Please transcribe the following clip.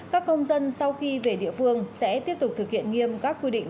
các công dân sau khi về địa phương sẽ tiếp tục thực hiện nghiêm các quy định